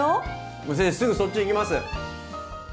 もう先生すぐそっち行きます！